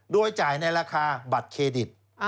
โดยจ่ายในราคาบัตรเครดิต